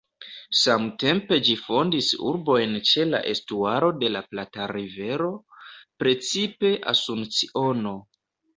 Samtempe ĝi fondis urbojn ĉe la estuaro de la Plata-rivero, precipe Asunciono.